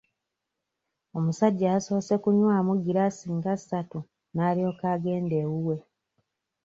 Omusajja yasoose kunywaamu giraasi nga ssatu n'alyoka agenda ewuwe.